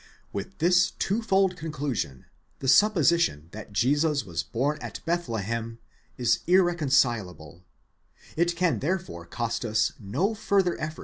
With this twofold conclusion, the supposition that Jesus was born at. Bethlehem is irreconcileable: it can therefore cost us no further effort to.